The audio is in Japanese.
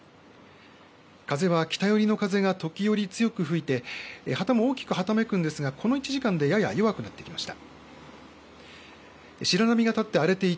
風は北寄りの風が時折強く吹いて旗も大きくはためくんですがこの１時間で弱くなってきました。